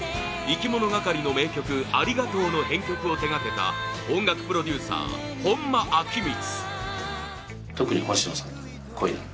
いきものがかりの名曲「ありがとう」の編曲を手がけた音楽プロデューサー、本間昭光